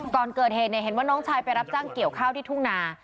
ก่อนเกิดเหตุเห็นว่าน้องชายไปรับจ้างเกี่ยวข้าวที่ทุ่งนา